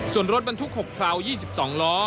ส่วนรถบรรทุก๖คราว๒๒ล้อ